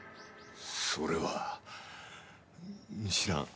それは知らん。